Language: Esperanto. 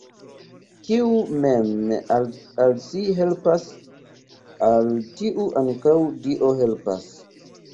Kiu mem al si helpas, al tiu ankaŭ Dio helpas!